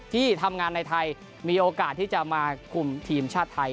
ที่ทำงานในไทยมีโอกาสที่จะมาคุมทีมชาติไทย